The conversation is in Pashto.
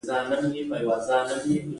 سوداګر پانګوال د صنعتي پانګوالو محصولات پېري